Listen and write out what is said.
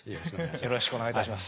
よろしくお願いします。